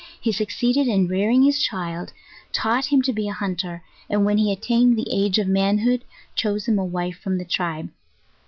He succeeded in rearing his child taught him to be a hun ter, ard when he attained the age of manhood, chose him a wife from the tribe.